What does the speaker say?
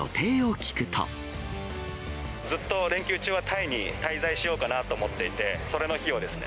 ずっと連休中はタイに滞在しようかなと思っていて、それの費用ですね。